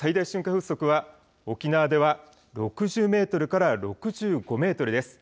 風速は沖縄では６０メートルから６５メートルです。